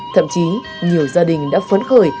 thậm chí nhiều gia đình đã phấn khởi